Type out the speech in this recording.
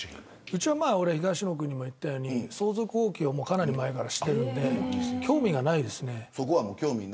うちは東野君にも言ったように相続放棄をかなり前からしているので興味がないですね。